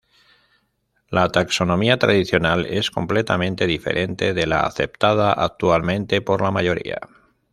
La taxonomía tradicional es completamente diferente de la aceptada actualmente por la mayoría.